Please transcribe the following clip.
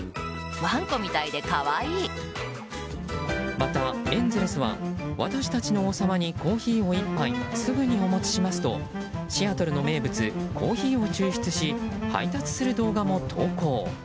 また、エンゼルスは私たちの王様にコーヒーを１杯すぐにお持ちしますとシアトルの名物コーヒーを抽出し配達する動画も投稿。